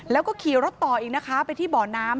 แล้วก็ขี่รถต่ออีกนะคะไปที่บ่อน้ำ